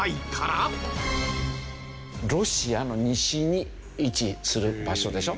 ロシアの西に位置する場所でしょ。